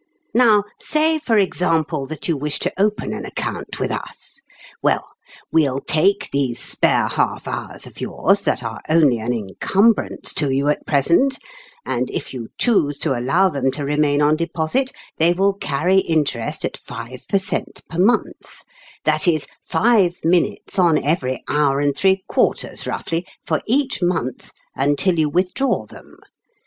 Now, say, for example, that you wish to open an account with us. "Well, we'll take these spare half hours of yours that are only an encumbrance to you at present, and if you choose to allow them to remain on deposit, they will carry in terest at five per cent, per month ; that is, five minutes on every hour and three quarters roughly, for each month, until you withdraw them.